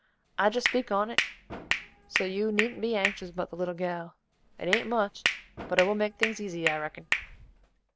I jest speak on't, so you needn't be anxious about the little gal. It ain't much, but it will make things easy I reckon."